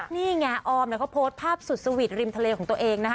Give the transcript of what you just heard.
นี่ไงออมเนี่ยเขาโพสต์ภาพสุดสวีทริมทะเลของตัวเองนะคะ